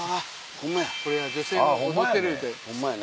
ホンマやね。